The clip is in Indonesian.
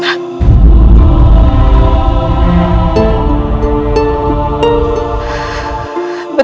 mohon maafkan aku datang terlambat